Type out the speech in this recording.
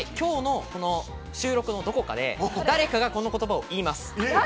収録のどこかで誰かがこの言葉を言います。